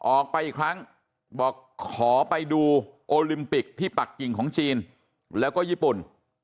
ออกไปอีกครั้งบอกขอไปดูโอลิมปิกที่ปักกิ่งของจีนแล้วก็ญี่ปุ่น